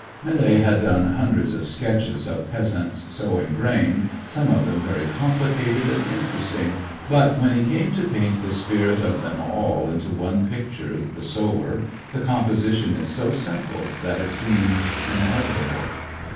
Millet had done hundreds of sketches of peasants sowing grain, some of them very complicated and interesting, but when he came to paint the spirit of them all into one picture, "The Sower," the composition is so simple that it seems inevitable.